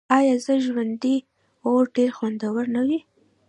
آیا د ژرندې اوړه ډیر خوندور نه وي؟